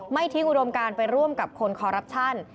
ไม่ทิ้งอุดมการไปร่วมกับคนคอรัปชั่น